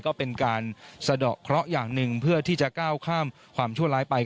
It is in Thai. ก็เป็นการสะดอกเคราะห์อย่างหนึ่งเพื่อที่จะก้าวข้ามความชั่วร้ายไป